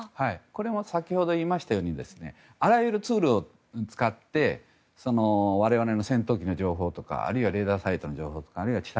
これも先ほど言いましたようにあらゆるツールを使って我々の戦闘機の情報とかあるいはレーダーサイトの情報あるいは地